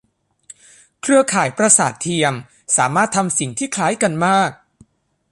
เครือข่ายประสาทเทียมสามารถทำสิ่งที่คล้ายกันมาก